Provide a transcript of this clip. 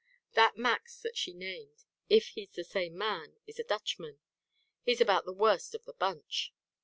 That Max that she named, if he's the same man, is a Dutchman; he's about the worst of the bunch.